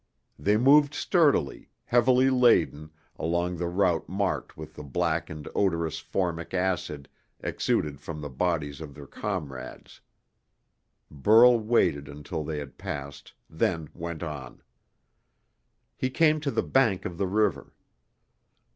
They moved sturdily, heavily laden, along the route marked with the black and odorous formic acid exuded from the bodies of their comrades. Burl waited until they had passed, then went on. He came to the bank of the river.